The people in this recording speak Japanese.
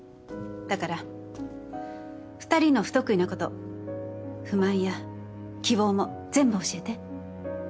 だから２人の不得意なこと不満や希望も全部教えて。